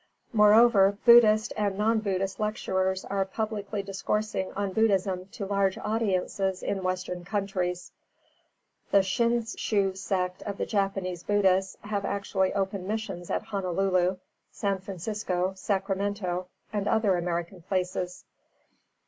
Moreover, Buddhist and non Buddhist lecturers are publicly discoursing on Buddhism to large audiences in western countries. The Shin Shu sect of Japanese Buddhists have actually opened missions at Honolulu, San Francisco, Sacramento and other American places.